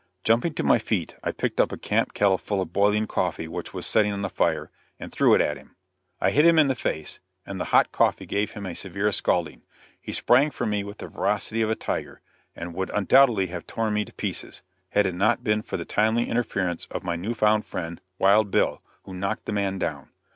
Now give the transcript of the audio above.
Jumping to my feet I picked up a camp kettle full of boiling coffee which was setting on the fire, and threw it at him. I hit him in the face, and the hot coffee gave him a severe scalding. He sprang for me with the ferocity of a tiger, and would undoubtedly have torn me to pieces, had it not been for the timely interference of my new found friend, Wild Bill, who knocked the man down.